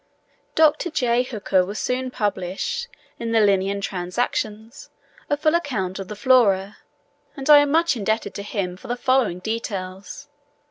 Dr. J. Hooker will soon publish in the "Linnean Transactions" a full account of the Flora, and I am much indebted to him for the following details.